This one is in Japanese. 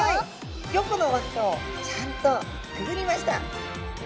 ５個の輪っかをちゃんとくぐりました。